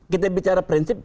kita bicara prinsip